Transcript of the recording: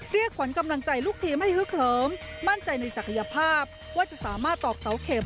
เรียกขวัญกำลังใจลูกทีมให้ฮึกเหิมมั่นใจในศักยภาพว่าจะสามารถตอกเสาเข็ม